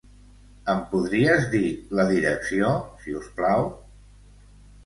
Em podries dir la direcció si us plau?